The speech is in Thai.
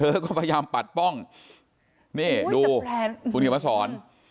เธอก็พยายามปัดป้องเนี่ยดูสนิมมาสอน